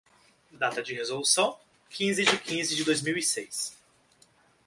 Data de resolução: quinze de quinze de dois mil e seis.